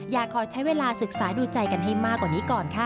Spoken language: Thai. อยากขอใช้เวลาศึกษาดูใจกันให้มากกว่านี้ก่อนค่ะ